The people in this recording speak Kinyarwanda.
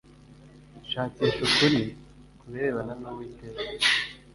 Shakisha ukuri ku birebana n uwiteka